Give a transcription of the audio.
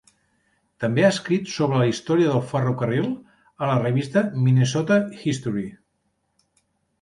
També ha escrit sobre la història del ferrocarril a la revista Minnesota History.